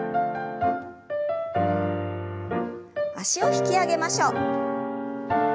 脚を引き上げましょう。